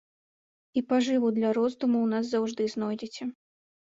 І пажыву для роздуму ў нас заўжды знойдзеце.